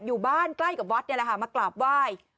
อยู่บ้านใกล้กับวัดนี่แหละค่ะมากราบไหว้